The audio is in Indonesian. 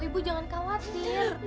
ibu jangan khawatir